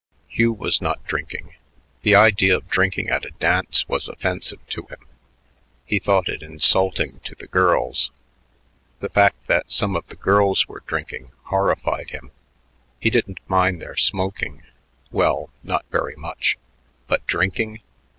Hugh was not drinking. The idea of drinking at a dance was offensive to him; he thought it insulting to the girls. The fact that some of the girls were drinking horrified him. He didn't mind their smoking well, not very much; but drinking?